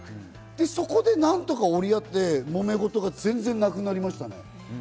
そこで何とか折り合って、もめごとが全然なくなりましたね。